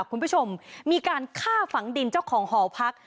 คุณผู้ชมมีการฆ่าฝังดินเจ้าของหอพัก